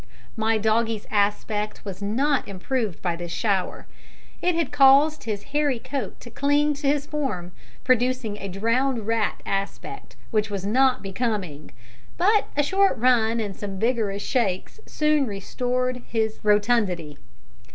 My doggie's aspect was not improved by this shower. It had caused his hairy coat to cling to his form, producing a drowned rat aspect which was not becoming; but a short run and some vigorous shakes soon restored his rotundity.